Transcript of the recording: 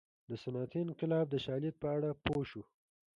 د صنعتي انقلاب د شالید په اړه پوه شو.